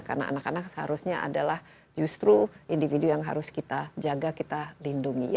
karena anak anak seharusnya adalah justru individu yang harus kita jaga kita lindungi